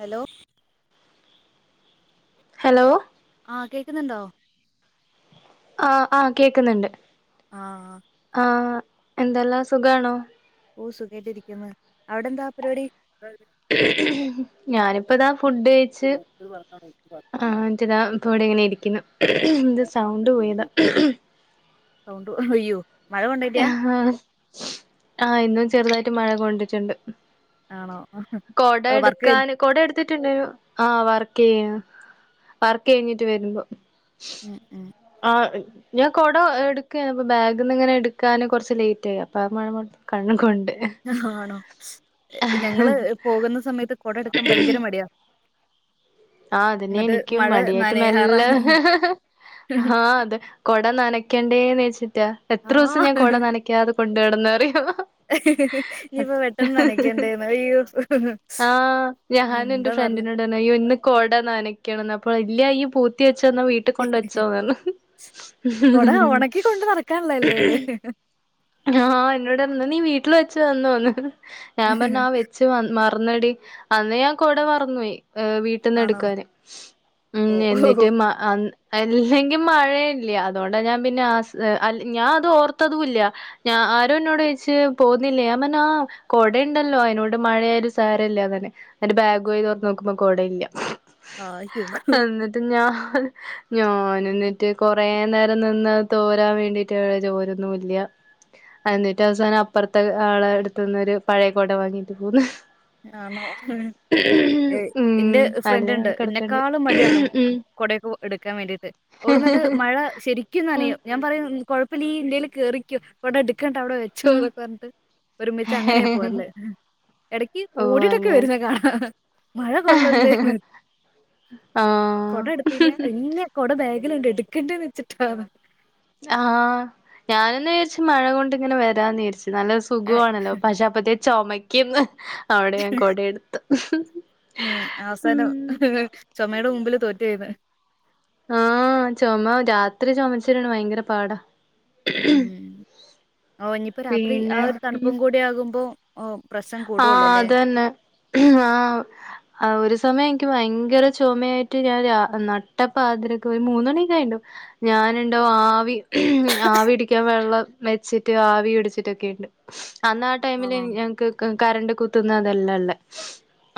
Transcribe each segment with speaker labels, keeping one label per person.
Speaker 1: Hello
Speaker 2: hello
Speaker 1: ആഹ് കേക്കുന്നുണ്ടോ?
Speaker 2: ആഹ് ആഹ് കേക്ക്‌ന്ന്ണ്ട്
Speaker 1: ആഹ് ആഹ്
Speaker 2: ആഹ് എന്തെല്ലാം സുഖാണോ?
Speaker 1: ഓഹ് സുഖായിട്ടിരിക്കുന്ന് അവിടെന്താ പരിപാടി
Speaker 2: ഞാനിപ്പതാ ഫുഡ്
Speaker 1: പറ [unintelligible]
Speaker 2: റ്റ്താ പ്പവിടിങ്ങനിരിക്ക്‌ന്ന് ഇന്റെ സൗണ്ട് പോയതാ
Speaker 1: സൗണ്ട് ഒ അയ്യോ മഴ കൊണ്ടേട്ടിയാ
Speaker 2: അഹാ ആഹ് ഇന്നും ചെറുതായിട്ട് മഴ കൊണ്ടിട്ടുണ്ട്
Speaker 1: ആണോ
Speaker 2: കൊട
Speaker 1: വർക്ക് കഴി
Speaker 2: എട്ക്കാന് കൊടെടുത്തിട്ടുണ്ടൊരു ആ വർക്ക് ചെയ്യ വർക്കയിഞ്ഞിട്ട് വരുമ്പോ
Speaker 1: ഉം ഉം
Speaker 2: ആഹ് ഞാൻ കൊട എടുക്കയ അപ്പൊ ബാഗിന്നിങ്ങനെ എടു ക്കാനും കുറച്ച് ലേറ്റായി അപ്പം ആ മഴമൊത്തോം കൺ കൊണ്ട്
Speaker 1: ആണോ ഞങ്ങള് പോകുന്ന സമയത്ത് കൊടെടുക്കാൻ ഭയങ്കര മടിയാ [inaudible]
Speaker 2: ആഹ് അതന്നെ
Speaker 1: എന്നിട്ട്
Speaker 2: നിക്കും
Speaker 1: മഴ
Speaker 2: മടിയായിട്ട്
Speaker 1: നനയാറാ
Speaker 2: മെല്ലെ ഹാഹ് അതെ കൊട നനക്കേണ്ടേന്ന്ച്ചിട്ടാ എത്ര ദിവസം ഞാൻ
Speaker 1: ആഹ്
Speaker 2: കൊട നനക്കാതെ കൊണ്ടടന്നറിയോ
Speaker 1: ഇനിയിപ്പോ
Speaker 2: ഒറ്റ
Speaker 1: പെട്ടെന്ന് നനയ്ക്കണ്ടേന്ന് അയ്യോ
Speaker 2: ആഹ് ഞാനും എന്റെ
Speaker 1: എന്താന്നറില്ല
Speaker 2: ഫ്രണ്ടിനോട് ഇയ്യ് ഇന്ന് കൊട നനക്കണം അപ്പം ഓള് പറയാ പൂത്തി വെച്ചോ ന്നാ വീട്ട് കൊണ്ട് വെച്ചോ പറഞ്ഞു
Speaker 1: കൊട ഒണക്കി കൊണ്ട് നടക്കാനുള്ളല്ലേ ഇത്
Speaker 2: ആഹ് എന്നോട് പർഞ്ഞു നീ വീട്ടിൽ വെച്ചു വന്നോന്ന് ഞാൻ പറഞ് ആഹ് വെച്ച് ച്ച് മറന്നടി അന്ന് ഞാൻ കൊട മാറനോയ് വീട്ട
Speaker 1: ആണോ
Speaker 2: വീട്ടിന്നെടുക്കാന് ഉം
Speaker 1: ഓ
Speaker 2: എന്നിട്ട്
Speaker 1: ഓ
Speaker 2: മ അന്ന് അല്ലെങ്കി മഴല്ല അതൊണ്ട ഞാൻ പിന്നെ ആസ് അല്ലെ ഞാൻ അത് ഓർത്തതുല്ല ഞാ ആരോ ഇന്നോട് ചോയ്ച്ച് പോവുന്നില്ലേ ഞാൻ പറഞ്ഞ് ആഹ് കൊടയ്ണ്ടല്ലോ അയ്നോട് മഴയായാലും സാരല്ല്യാന്നർഞ്. ന്നിട്ട് ബാഗ് പോയി തൊർന്നോക്കുമ്പം കുട ഇല്യാ.
Speaker 1: ആഹ് [unintelligible]
Speaker 2: റ്റ് ഞാൻ ഞാന് ന്നട്ട് കൊറേ നേരം നിന്നത് തോരാൻ വേണ്ടി റ്റ്, തോരുന്നൂല്ല്യ. എന്നിട്ടവസാനം അപ്പർത്തെ ആളെ എട്ത്ത്ന്ന് ഒരു പഴയ കൊട വാങ്ങിട്ട് പോന്ന്.
Speaker 1: ആണോ. എഹ്
Speaker 2: ഉം
Speaker 1: ഇൻ്റെ
Speaker 2: അല്ലേ
Speaker 1: ഫ്രണ്ടിണ്ട്,
Speaker 2: അവിടെ കിടക്കണ്ട്
Speaker 1: ഇന്നെക്കാളും മടിയാണ്
Speaker 2: ഉം
Speaker 1: കൊടയൊക്കെ എടുക്കാൻ വേണ്ടിട്ട്. ഓള് ന്നട്ട് മഴ ശെരിക്കും
Speaker 2: ഉം
Speaker 1: നനയും. ഞാൻ പറയും കുഴപ്പല്ല ഈ ഇൻ്റേല് കേറിക്ക്യോ. കൊട എടുക്കണ്ട അവിടെ വെ ച്ചു
Speaker 2: ഉം
Speaker 1: ന്നൊക്കെ പറഞ്ഞിട്ട് ഒരുമിച്ച് അങ്ങനെയാ പോരല്. എടക്ക്യ്
Speaker 2: ഓ
Speaker 1: ഓടിട്ടൊക്കെ
Speaker 2: അങ്ങനെ
Speaker 1: വരുന്നെ കാണാ മഴ കൊള്ളണ്ടേന്ന്.
Speaker 2: ആഹ്.
Speaker 1: ഇന്ന് കൊട ബാഗില്ണ്ട് എടുക്കണ്ടേന്ന് വെച്ചിട്ടാന്ന്.
Speaker 2: ആഹ്. ഞാനിന്ന് വിയാരിച് മഴകൊണ്ടിങ്ങനെ വരാന്നിയാര്ച്. നല്ല സുഖു
Speaker 1: ഏഹ്
Speaker 2: ആണല്ലോ പക്ഷേ അപ്പത്തെക്ക്‌ ചുമക്ക്യ്ന്ന്. അഹോണ്ട് ഞാൻ കൊട എടുത്ത്.
Speaker 1: ചോമയുടെ മുമ്പില് തോറ്റോയീന്ന്.
Speaker 2: ആഹ് ചൊമ രാത്രി ചൊമച്ചിട്ടെന്നെ ഭയങ്കര പാടാ.
Speaker 1: മ്മ് ഓന് ഇഞ്പ്പ രാത്രി ആ
Speaker 2: പിന്നെ
Speaker 1: ഒരു
Speaker 2: ഉം
Speaker 1: തണുപ്പും കൂടിയാകുമ്പോ, ഓഹ് പ്രസ്സം കൂടു
Speaker 2: ആഹ്
Speaker 1: ഒള്ളു ല്ലേ.
Speaker 2: അതന്നെ ആഹ്. ആഹ് ഒരു സമയം എന്ക്ക്യ് ഭയങ്കര ചുമയായിട്ട് ഞാൻ രാ നട്ടപ്പപാതിരക്ക് ഒരു മൂന്ന് മണിയൊക്കായിണ്ടാവും. ഞാനുണ്ടോ ആവി ആവി പിടിക്കാൻ വെള്ളം വെച്ചിട്ട് ആവി പിടിച്ചിട്ടൊക്കെയ്ണ്ട്. അന്നാ ടൈമില്
Speaker 1: ആണോ
Speaker 2: ഞങ്ങക്ക് ക് കറണ്ട് കുത്തുന്ന അതല്ല ഇള്ളെ.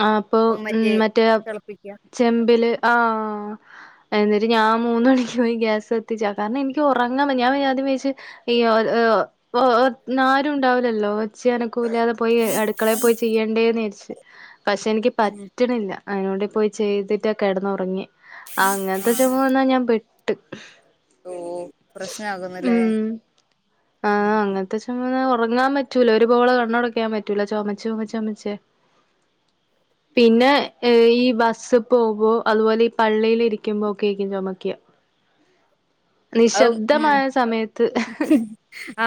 Speaker 2: ആഹ് അപ്പൊ മ്മ് മറ്റേ
Speaker 1: തിളപ്പിക്കുക
Speaker 2: ചെമ്പില് ആഹ് എന്നിട്ട് ഞാൻ മൂന്ന് മണിക്ക് പോയി ഗ്യാസ് കത്തിച്ചാ. കാരണം എനിക്ക് ഉറങ്ങാൻ ന്ന ഞാൻ പിന്നാദ്യം വിയാരിച്ച്. ഈ ഒര് ഒ ഒ ഒ ഒത് ന്നാരുണ്ടാവൂലല്ലോ ഒച്ചിയനക്കവു ഇല്ലാതെ പോയി അടുക്കളെ പോയി ചെയ്യെണ്ടേ ന്ന് വിയാര്ച്ച്. പക്ഷെ എനിക്ക് പറ്റ്ണില്ല. അയിനോടേ പോയി ചെയ്തിട്ടാ കെടന്നുറങ്ങ്യേ. അങ്ങനത്തെ ചുമ വന്നാ ഞാൻ പെട്ട്.
Speaker 1: ഓഹ് പ്രസ്നാകും ന്ന് ല്ലേ.
Speaker 2: ത്തെ ചുമ വന്നാ ഉറങ്ങാൻ പറ്റൂല. ഒരുപോള കണ്ണട ക്ക്യാൻ പറ്റൂല. ചൊമച്ച് ചൊമച്ച് ചൊമച്ചേ. പിന്നെ ഈ ബസ് പോവുമ്പോ അതുപോലെ ഈ പള്ളിയിലിരിക്കുമ്പൊക്കേയ്ക്കും ചൊമക്ക്യാ.
Speaker 1: അഹ് ഉം.
Speaker 2: സമയത്ത്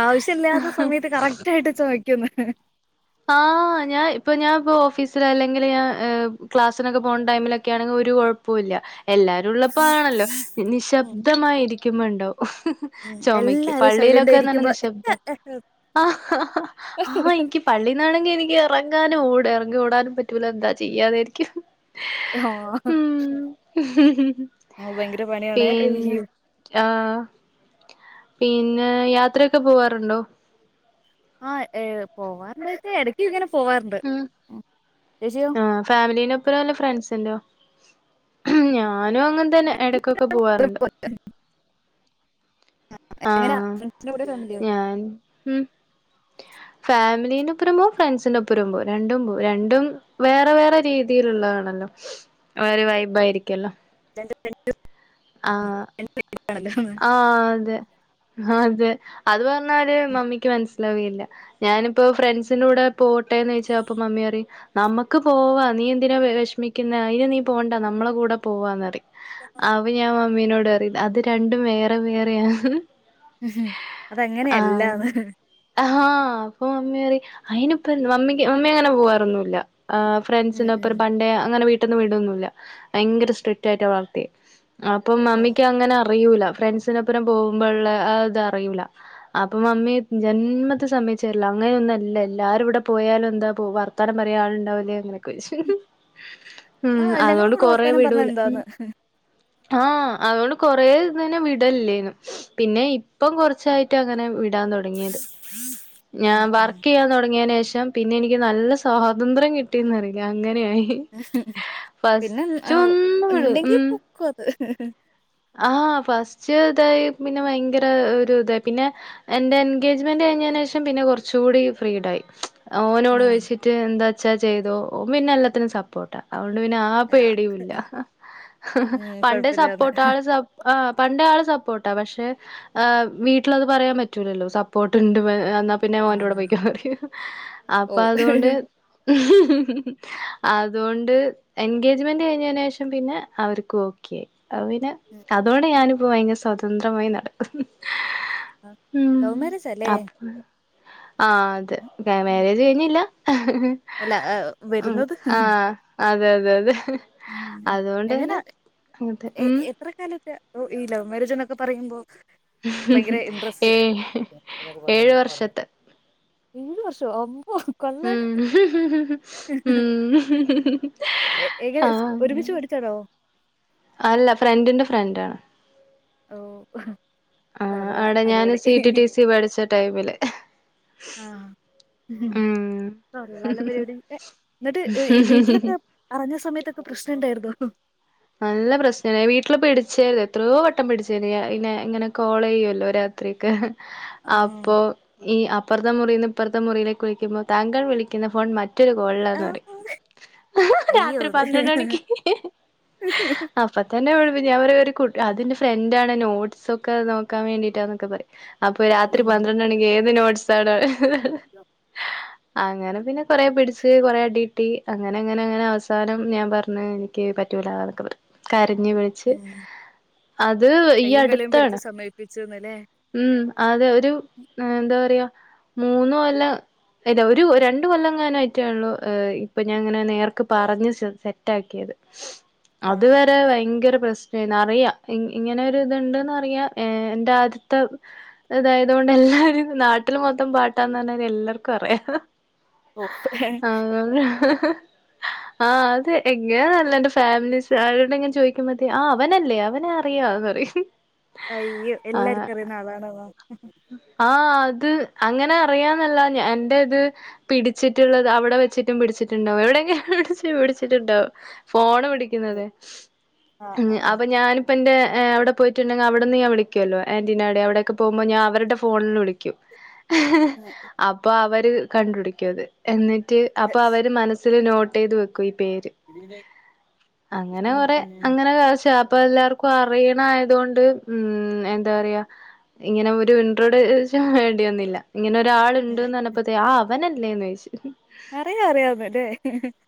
Speaker 1: ആവശ്യല്ല്യാത്ത സമയത്ത് കറക്റ്റായിട്ട് ചൊമ ക്ക്യുംന്ന്.
Speaker 2: ആഹ് ഞാൻ ഇപ്പ ഞാൻ ഇപ്പോ ഓഫീസില് അല്ലെങ്കില് ഞാൻ ഏഹ് ക്ലാസിനൊക്കെ പോണ ടൈമിലൊ ക്കേണെങ്കി ഒരു കൊഴപ്പു ഇല്യ. എല്ലാ രുള്ളപ്പാണല്ലോ നിശബ്ദമായിരിക്കുമ്പണ്ടാവും. ചൊമയക്ക്യും.
Speaker 1: എല്ലാരും സൈലന്റ്
Speaker 2: പള്ളിയിലൊക്കെന്നർഞാ
Speaker 1: ആയിരിക്കുമ്പോ
Speaker 2: നിശബ്ദ. ആഹ് ആഹ് ഇൻക്ക്യും. പള്ളീന്നാണെങ്കി എനിക്ക് ഇറങ്ങാനും ഓട ഇറങ്ങി ഓടാനും പറ്റൂല. എന്താ ചെയ്യാന്ന് വിയാരിക്കും.
Speaker 1: ആഹ്. നോഹ് ഭയങ്കര പണിയാണെ.
Speaker 2: പിന്നെ
Speaker 1: അയ്യൊ
Speaker 2: ആഹ് പിന്നെ യാത്രയൊക്കെ പോവാറുണ്ടോ?
Speaker 1: ആഹ് ഏഹ് പോവാറുണ്ടോയ്ച്ചാ എടക്ക്ങ്ങനെ പോവാറ്ണ്ട്. ഉം [unintelligible]
Speaker 2: ആഹ് ഫാമിലിന്റെപ്പൊരോ അല്ലെ ഫ്രണ്ടിൻ്റോ? ഞാനും അങ്ങൻ തന്നെ എടക്കൊക്ക പോവാറ്ണ്ട് ആ
Speaker 1: എങ്ങനാ ഫ്രണ്ട്സിന്റെ കൂടെയോ ഫാമിലിയോ
Speaker 2: ഞാൻ ഉം ഫാമിലീന്റെ ഒപ്പരം പോവും ഫ്രണ്ട്സിന്റെ ഒപ്പരോം പോവും രണ്ടും പോവും രണ്ടും വേറെ വേറെ രീതിയിലുള്ളതാണല്ലോ ഒരു വൈബായിരിക്കല്ലോ ആ ആ അതെ അതെ അത് പർഞ്ഞാല് മമ്മിക്ക് മൻസ്സിലാവെ ഇല്ല ഞാനിപ്പൊ ഫ്രണ്ട്സിന്റെ കൂടെ പോട്ടേന്ന് ചോയ്ച്ചാ അപ്പൊ മമ്മി പറയും നമ്മക്ക് പോവാ നീ എന്തിനാ വെഷ്മിക്കുന്ന അയിന് നീ പോണ്ട നമ്മള കൂടെ പോവാന്നറിം
Speaker 1: [unintelligible]
Speaker 2: അപ്പം ഞാൻ മമ്മീനോട് പറയും അത് രണ്ടും വേറെ വേറെയാന്ന്
Speaker 1: അത് അങ്ങനെയല്ലാന്ന്
Speaker 2: അഹാ അപ്പൊ മമ്മി പറഴും അയിനിപ്പ മമ്മിക്ക് മമ്മി അങ്ങനെ പോവാറൊന്നുല്ല ആ ഫ്രണ്ട്സിന്റെ ഒപ്പരം പണ്ടേ അങ്ങനെ വീട്ട്ന്ന് വിടൊന്നുല്ല ഭയങ്കര സ്ട്രിക്ട ആയിട്ട വളർത്തിയെ അപ്പം മമ്മിക്ക് അങ്ങനെ അറിയൂല ഫ്രണ്ട്സിനൊപ്പരം പോവുമ്പള്ളെ ആ ഇത് അറിയൂല അപ്പം മമ്മി ജന്മത്ത് സമ്മയിച്ചേര്ല്ല അങ്ങനൊന്നും അല്ല എല്ലാരൂടെ പോയാലും എന്താപ്പൊ വർ ത്താനം പറയാ ആൾണ്ടാവുലേ അങ്ങനൊക്ക ചോയ്ച്ച്
Speaker 1: ആ ഞങ്ങള കൂടെ വർത്താനം പർഞ്ഞ എന്താന്ന്
Speaker 2: ആ അതോണ്ട് കൊറേ ദിസ്ത്തിന് വിടല്ലേന്നു പിന്നെ ഇപ്പം കൊർച്ചായിട്ട അങ്ങനെ വിടാൻ തൊട്ങ്ങിയത് ഞാൻ വർക്കയ്യാൻ തോട്ങ്ങിയെന് ശേഷം പിന്നെ എനിക്ക് നല്ല സ്വാതന്ത്ര്യം കിട്ടീന്നറീലെ അങ്ങനെയി
Speaker 1: പിന്നെ ആ
Speaker 2: വിടു
Speaker 1: ഇണ്ടെങ്കി പൊക്കു അത്
Speaker 2: ആ ഫസ്റ്റ് ഇതായി പിന്നെ ഭയങ്കര ഒരു ഇതായി പിന്നെ എന്റെ എൻഗേജ്മെന്റ് കഴിഞ്ഞേനെഷം പിന്നെ കൊർച്ച് കൂടി ഫ്രീഡായി ഓനോട്
Speaker 1: ആഹ്
Speaker 2: ചോയിച്ച്ട്ട് എന്താച്ചാ ചെയ്തോ ഓം പിന്നെ എല്ലത്തിനും സപ്പോട്ടാ അതൊണ്ട് പിന്നെ ആ
Speaker 1: യാ.
Speaker 2: പേടിയുല്ല
Speaker 1: ഉം,
Speaker 2: പണ്ട് സപ്പോ
Speaker 1: കുഴപ്പമില്ലാന്ന്.
Speaker 2: സ ആ പണ്ടേ ആള് സപ്പോട്ടാ പക്ഷെ ആ വീട്ടില് അത് പറയാം പറ്റൂലല്ലോ സപ്പോർട്ട് ഇണ്ട് എന്നാ പിന്നെ ഓന്റെ കൂടെ
Speaker 1: ആഹ്
Speaker 2: പൊയ്ക്കോ പറയും അപ്പ
Speaker 1: ഓ ഉം
Speaker 2: അതോണ്ട്
Speaker 1: കൊഴപ്പില്ലാന്ന്
Speaker 2: അതോണ്ട് എൻഗേജ്മെന്റ് കഴിഞ്ഞെനെഷം പിന്നെ അവര്ക്ക് ഓക്കെ ആയി പിന്നെ അതോടെ ഞാനിപ്പോ ഭയങ്കര സ്വതന്ത്രമായി നടക്കുന്നു
Speaker 1: ആഹ്
Speaker 2: ഉം
Speaker 1: പോവും ലവ് മാരേജാല്ലേ
Speaker 2: അപ് ആ അതെ മെരേജ് കഴിഞീല്ല
Speaker 1: അല്ല ഏഹ്
Speaker 2: ഉം
Speaker 1: വരുന്നത്
Speaker 2: ആ അതെ അതെ അതെ
Speaker 1: ഉം
Speaker 2: അതുകൊണ്ട്
Speaker 1: എങ്ങനാ
Speaker 2: തന്നെ അതെ
Speaker 1: എ
Speaker 2: ഉം
Speaker 1: എ ത്ര കാലത്തെ ഈ ലൗ മെരേജ്ന്നൊക്കെ പറയുമ്പോ ഭയങ്കര ഇൻട്രസ്റ്റ്
Speaker 2: ഏ ഏഴ്
Speaker 1: [unintelligible]
Speaker 2: വർഷത്തെ
Speaker 1: മൂന്ന് വർഷോ അമ്പോ കൊള്ളാലോ
Speaker 2: ഉം ഉം
Speaker 1: എങ്ങനെ സ്
Speaker 2: ആ
Speaker 1: ഒരുമിച്ച് പടിച്ചാണോ
Speaker 2: അല്ല ഫ്രണ്ടിൻ്റെ ഫ്രണ്ടാണ്
Speaker 1: ഓ ഹ്
Speaker 2: ആ ആട ഞാന് സി ട്ടി ട്ടി സി പഠിച്ച ടൈമില്
Speaker 1: ആ ഉം കൊള്ളാല്ലോ പരിവാടി
Speaker 2: ഉം
Speaker 1: ന്നട്ട് വീ വീട്ടിലൊക്കെ അറഞ്ഞ സമയത്തൊക്ക പ്രശ്നണ്ടാര്ന്നൊ
Speaker 2: നല്ല പ്രശ്നം വീട്ടില് പിടിച്ചേര് എത്രോ വട്ടം പിടിച്ചേനി ഇന്നെ ഇങ്ങനെ കോള് ചെയ്യോല്ലോ രാത്രിക്കെ
Speaker 1: ആഹ്
Speaker 2: അപ്പോ ഈ അപ്പറത്തെ മുറിന്ന് ഇപ്പറത്തെ മുറിയിലേക്ക് വിളിക്ക്‌മ്പ താങ്കൾ വിളിക്ക്‌ന്ന ഫോൺ മറ്റ മറ്റൊരു കോളിലാന്ന് പറയും.
Speaker 1: ആഹ് അയ്യോ
Speaker 2: രാത്രി
Speaker 1: അത്
Speaker 2: പന്ത്രണ്ട് മണിക്ക് അപ്പ തന്നെ ഇവര്വ്ടെവെരും ഞാൻപറയും ഒര് കൂട്ട് അതിന്റെ ഫ്രണ്ടാണ് നോട്ട്സൊക്കെ നോക്കാൻ വേണ്ടിട്ടാന്നൊക്കെ പറയും. അപ്പ രാത്രി പന്ത്രണ്ട് മണിക്ക് ഏത് നോട്ട്സാടെ അങ്ങനെ പിന്നെ കൊറേ പിടിച്ച് കൊറേ അടിട്ടി അങ്ങനെ അങ്ങനെ അങ്ങനെ അവസാനം ഞാൻ പറഞ് എനിക്ക് പ റ്റൂലാനൊക്കെ പറയും കരഞ് വിളിച്ച്
Speaker 1: ഉം
Speaker 2: അത് ഈ അട്ത്താണ്.
Speaker 1: പിച്ച് ന്ന്ലേ
Speaker 2: ഉം അതെ ഒരു എന്താ പറയാ മൂന്നു കൊല്ലം ഇല്ല ഒരു രണ്ട് കൊല്ലംങ്ങാനായിട്ടൊള്ളൂ ഇ പ്പ ഞാൻ ഇങ്ങനെ നേർക്ക് പറഞ് സ് സെറ്റാക്കിയത് അതുവരെ ഭയങ്കര പ്രശ്ന നറിയാം ഇ ഇങ്ങനെ ഇതുണ്ട്ന്നറിയാ എ എന്റെ ആദ്യ ത്തഇതായത് കൊണ്ട് എല്ലാരും നാട്ടില് മൊത്തം പാട്ടാന്ന് പറഞാരി എല്ലാർക്കും അറിയാ [unintelligible] ആഹ് അത് എങ്ങാനാന്നറില്ല എന്റെ ഫാമിലീസ് അവരോടിങ്ങനെ ചോയിക്കുംമ്പത്തെ ആ അവനല്ലേ അവനെ ആർ അറിയാം എന്ന്പറയും.
Speaker 1: അയ്യോ! എല്ലാർക്കും അറിയുന്നാ ആളാണേവോ?
Speaker 2: ആഹ് അത് അങ്ങനെ അറിയാന്നല്ല ഞ എന്റെത് പിടിച്ചിട്ട്ള്ളത് അവ്ടെ വെച്ചിട്ടും പിടിച്ചിട്ട്ണ്ടാവും എവ്ടെക്കെയാ വെച്ച് പിടിച്ചിട്ട്ണ്ടാവും. ഫോണ് പിടിക്ക്‌ന്നത്
Speaker 1: ആഹ് ആഹ്
Speaker 2: അപ്പ ഞാനും അപ്പന്റെ അവ്ടെ പോയിട്ട്ണ്ടങ്കി അവിട്ന്ന്ഞാൻ വിളിക്ക്‌വല്ലോ ആന്റിന്റെ അവ്ടെ അവ്ടെക്കെ പോവുബെ ഞാൻ അവര്ടെ ഫോണില് വിളിക്കും അപ്പം അവര് കണ്ട്പിടിക്കും അത് എന്നിട്ട് അപ്പം അവര് മനസ്സില് നോട്ട് ചെയ്ത് വെക്കും ഈ പേര് അങ്ങനെ
Speaker 1: ഉം
Speaker 2: കൊറേ അങ്ങനെക്കാവശ്യ അപ്പൊ എല്ലാർ ക്കും അറിണയാതൊണ്ട് ഉം എന്താ പറയാ ഇങ്ങനെ വി ഒര് ഇണ്ട്രോടോഷൻ വേണ്ടി വന്നില്ല ഇങ്ങനെ
Speaker 1: ഉം
Speaker 2: ഒരാള്ണ്ട്ന്ന് പറഞ്ഞപ്പേത്തെന് ആ അവനല്ലേന്ന് ചോയിച്ചു.
Speaker 1: അറിയാം അറിയം എന്ന്ലേ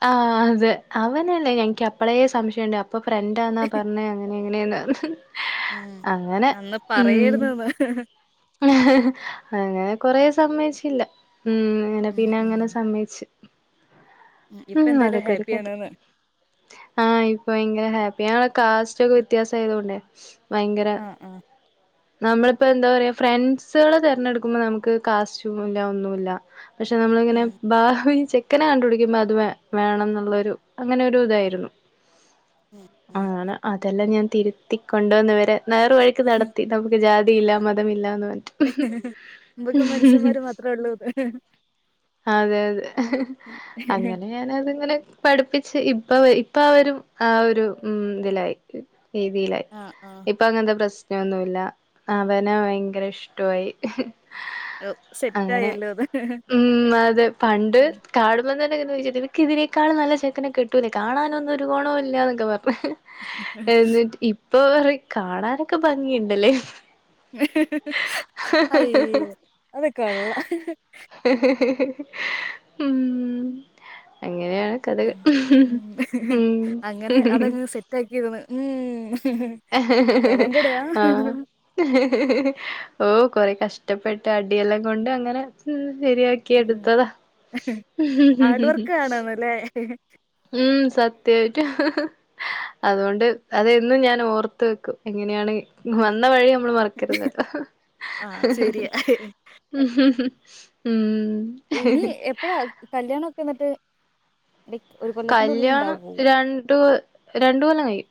Speaker 2: ആഹ് അതെ അവനല്ലേ എനിക്ക് അപ്പളേ സംശയൊണ്ട് അപ്പ ഫ്ര ണ്ടാന്നാ പറഞ്ഞെ അങ്ങനെ ഇങ്ങനെയാന്ന് പറഞ്ഞു
Speaker 1: ഉം അന്ന് പറയര്ത് ന്.
Speaker 2: അങ്ങനെ കൊറേ സമ്മയിച്ചില്ല. ഉം അങ്ങനെ പിന്നെ അങ്ങനെ സമ്മയിച്ചു.
Speaker 1: ഇപ്പ
Speaker 2: ഉം
Speaker 1: എന്തായാലും
Speaker 2: അതൊക്കെര് കഥ.
Speaker 1: ഹാപ്പിയാണ്ന്ന്
Speaker 2: ആഹ് ഇപ്പ ഭയങ്കര ഹാപ്പിയാ ഞങ്ങള് കാസ്റ്റൊക്കെ വിത്യാസായതൊണ്ടേ ഭയങ്കര
Speaker 1: ആഹ് ആഹ്
Speaker 2: നമ്മളിപ്പോ എന്താ പറയാ ഫ്രണ്ട്സ്കള് തിരഞ്ഞെട്ക്ക്‌മ്പ നമുക്ക് കാസ്റ്റ്യൂം ഇല്ല ഒന്നും ഇല്ല പക്ഷെ നമ്മളിങ്ങനെ ഭാവി ചെ ക്കനെ കണ്ട്പിടിക്ക്‌മ്പ അത് വേ വേണം നൊള്ളൊരു അങ്ങനെരു ഇതായിരുന്നു.
Speaker 1: ഉം ഉം
Speaker 2: ആണ് അതെല്ലാം ഞാൻ തിര്ത്തി കൊണ്ട് വന്ന് ഇവരെ നേർവഴിക്ക് നടത്തി നമുക്ക് ജാതിയില്ലാ മ മതമില്ലാന്ന് പറഞ്ട്ട്.
Speaker 1: നമ്മക്ക് മന്ഷമാര് മാത്രേള്ളൂന്ന്.
Speaker 2: അതെ അതെ അങ്ങനെ ഞാനതിങ്ങനെ പഠിപ്പിച്ച് ഇപ്പവ ഇപ്പവരും ആ ഒരു ഉം ഇതിലായി. രീതിലായി.
Speaker 1: ആഹ് ആഹ്
Speaker 2: ഇപ്പങ്ങൻത്തെ പ്രശ്നൊന്നുല്ല അവന ഭയങ്കര ഇഷ്ട്വായി. ഹാ അങ്ങനെ.
Speaker 1: സെറ്റായല്ലോ
Speaker 2: ഉം അതെ പണ്ട്.
Speaker 1: അത്
Speaker 2: കാണുമ്പംതന്നെ [unintelligible] നിനക്ക് ഇതിനേക്കാൾ നല്ല ചെക്കനെ ക് ട്ടുലെ ലേ കാണാനൊന്നോരു ഗോണോല്ലാന്നൊക്കെ പറഞ്. ഹേ എന്നിട് ഇപ്പൊ പറിം. കാണാനൊക്കെ ഭംഗിയ്ണ്ടല്ലേ.
Speaker 1: ഹേ ഹേ അയ് അത്‌കൊള്ള.
Speaker 2: ഉം അങ്ങനാണ്.
Speaker 1: അങ്ങനെ അതങ്ങ് സെറ്റാക്കിക്ക് ണ് ഉം.
Speaker 2: ആഹ് ഓ കൊറെ കഷ്ടപ്പെട്ട് അടിയെല്ലാം കൊണ്ട് അങ്ങനെ ഉം ശരിയാ ക്കി
Speaker 1: മ്മ്.
Speaker 2: എട്ത്തതാ.
Speaker 1: [unintelligible] ലെ
Speaker 2: ഉം സത്യായിട്ടും. ഹാ അതോണ്ട് അതെന്നും ഞാൻ ഓർത്ത് വെക്കും. എങ്ങനെയാണ്.
Speaker 1: മ്മ്.
Speaker 2: വന്നവഴി അമ്മള് മറക്കരുതല്ലോ.
Speaker 1: ആ ശരിയാ.
Speaker 2: ഉം.
Speaker 1: ഇനി എപ്പഴാ കല്യാണക്കെ ഇന്നട്ട് നിക് ഒരു കൊ
Speaker 2: കല്ല്യാണം രണ്ടു രണ്ട് കപല്ലം കയ്യും.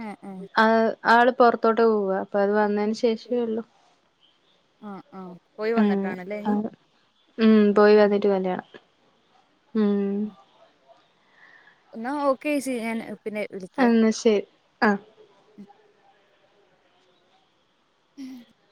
Speaker 1: ഏഹ് ഏഹ്
Speaker 2: ആള് പൊറത്തോട്ട് പോവാ. അപ്പൊ അത് വന്നെന് ശേഷേള്ളു.
Speaker 1: ആ ആ. പോയി
Speaker 2: ഉം
Speaker 1: വന്നിട്ടാണല്ലേ ഇനി?
Speaker 2: ആൾ. ഉം പോയി
Speaker 1: മ്മ്.
Speaker 2: വന്നിട്ട് കല്യാണം. ഉം
Speaker 1: ഇന്നാ ഓക്കേച്ചി ഞാൻ
Speaker 2: എന്ന ശരി ആ.
Speaker 1: ഉം ഉം